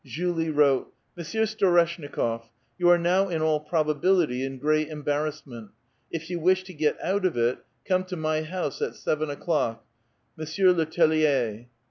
Julie wrote, *' Monsieur Store siiiiikot', you ure now in all probability in great embarrass ment ; if you wish to get out of it, come to my house at seven o'clock. M. le Tellier."